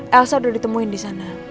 elsa udah ditemuin disana